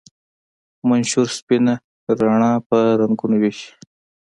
منشور سپینه رڼا په رنګونو ویشي.